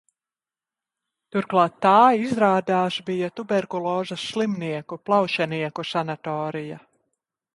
Turklāt tā, izrādās, bija tuberkulozes slimnieku, plaušenieku sanatorija.